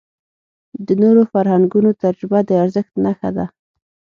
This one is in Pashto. د نورو فرهنګونو تجربه د ارزښت نښه ده.